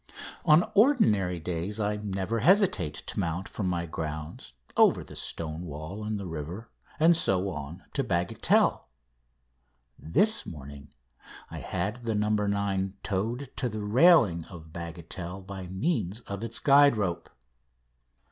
On ordinary days I never hesitate to mount from my grounds, over the stone wall and the river, and so on to Bagatelle. This morning I had the "No. 9" towed to the railing of Bagatelle by means of its guide rope.